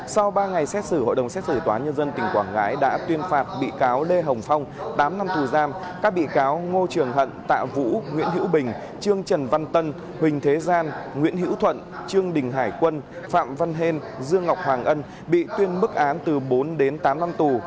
sau ba ngày xét xử hội đồng xét xử tòa nhân dân tỉnh quảng ngãi đã tuyên phạt bị cáo lê hồng phong tám năm tù giam các bị cáo ngô trường hận tạ vũ nguyễn hữu bình trương trần văn tân huỳnh thế gian nguyễn hữu thuận trương đình hải quân phạm văn hên dương ngọc hoàng ân bị tuyên mức án từ bốn đến tám năm tù